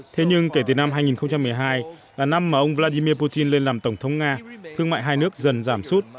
thế nhưng kể từ năm hai nghìn một mươi hai là năm mà ông vladimir putin lên làm tổng thống nga thương mại hai nước dần giảm sút